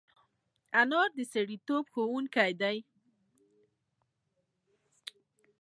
انا د سړیتوب ښوونکې ده